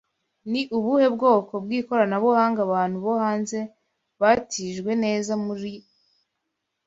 Ni ubuhe bwoko bw'ikoranabuhanga abantu bo hanze batijwe neza muri